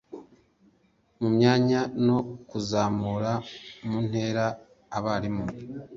mu myanya no kuzamura mu ntera abarimu